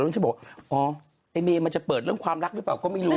รู้สึกบอกอ๋อไอ้เมย์มันจะเปิดเรื่องความรักหรือเปล่าก็ไม่รู้